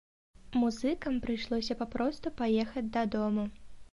Музыкам прыйшлося папросту паехаць дадому.